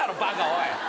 おい。